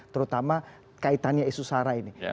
terutama kaitannya isu sara ini